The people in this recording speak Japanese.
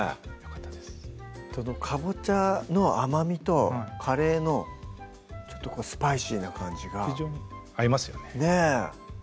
このかぼちゃの甘みとカレーのスパイシーな感じが非常に合いますよねねぇ